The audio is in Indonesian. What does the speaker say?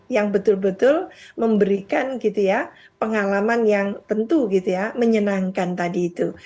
yang betul betul memberikan gitu ya pengalaman yang tentu gitu ya menyenangkan tadi itu